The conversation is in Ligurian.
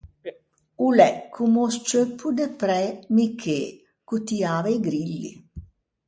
O l’é comme o scceuppo de præ Michê ch’o tiava a-i grilli.